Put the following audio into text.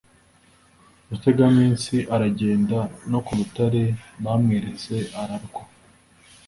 rutegaminsi aragenda no ku rutare bamweretse ararwa